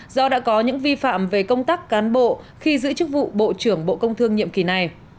do đã có những vi phạm về công tác cán bộ khi giữ chức vụ bộ trưởng bộ công thương nhiệm kỳ này